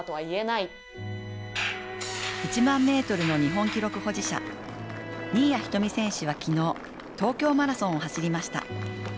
１００００ｍの日本記録保持者、新谷仁美選手は昨日、東京マラソンを走りました。